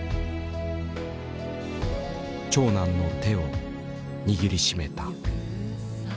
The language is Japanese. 長男の手を握りしめた。